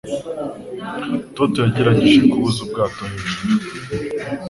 Toto yagerageje kubuza ubwato hejuru.